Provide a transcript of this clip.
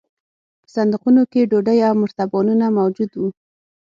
په صندوقونو کې ډوډۍ او مرتبانونه موجود وو